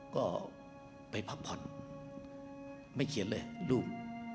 ก็ไปพักผ่อนไม่เขียนเลยรูป